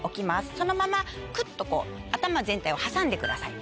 そのままくっと頭全体を挟んでください。